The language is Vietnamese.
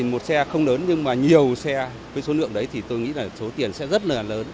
một xe không lớn nhưng mà nhiều xe với số lượng đấy thì tôi nghĩ là số tiền sẽ rất là lớn